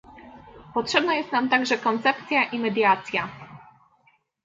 Potrzebna jest nam także koncepcja i mediacja